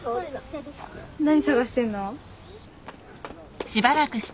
何探してるの？